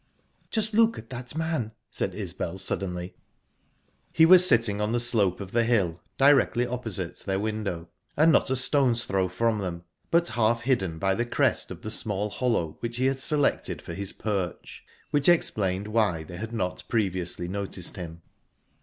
"Just look at that man!" said Isbel, suddenly. He was sitting on the slope of the hill, directly opposite their window and not a stone's throw from them, but half hidden by the crest of the small hollow which he had selected for his perch, which explained why they had not previously noticed him.